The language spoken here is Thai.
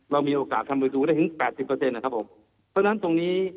เรามีโอกาสทำประตูได้ถึงแปดสิบเปอร์เซ็นนะครับผมเพราะฉะนั้นตรงนี้